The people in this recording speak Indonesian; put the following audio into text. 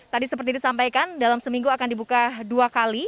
tadi seperti disampaikan dalam seminggu akan dibuka dua kali